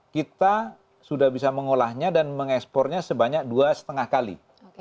kita sudah bisa mengolahnya dan mengekspornya sebanyak dua lima kali